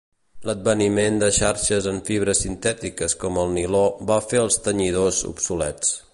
L'adveniment de xarxes en fibres sintètiques com el niló van fer els tenyidors obsolets.